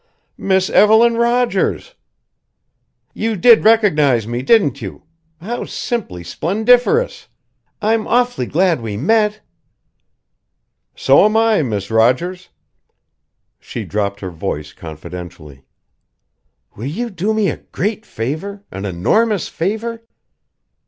"Miss Evelyn Rogers!" "You did recognize me, didn't you? How simply splendiferous! I'm awfully glad we met!" "So am I, Miss Rogers." She dropped her voice confidentially. "Will you do me a great favor an enormous favor?"